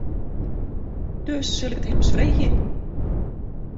Dus sil ik it him ris freegje.